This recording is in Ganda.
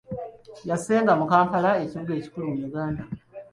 Yassenga mu Kampala, ekibuga ekikulu mu Uganda